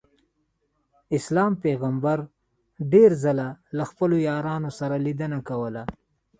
اسلام پیغمبر ډېر ځله له خپلو یارانو سره لیدنه کوله.